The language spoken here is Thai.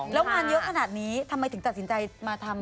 แล้วงานเยอะขนาดนี้ทำไมถึงตัดสินใจมาทำ